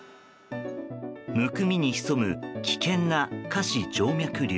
むくみに潜む危険な下肢静脈瘤。